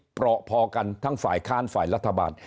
เพราะพอกันทั้งฝ่ายค้านฝ่ายรัฐบาล